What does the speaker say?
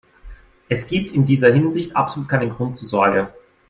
Es gibt in dieser Hinsicht absolut keinen Grund zur Sorge.